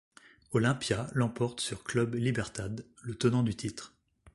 Olimpia l’emporte sur Club Libertad, le tenant du titre.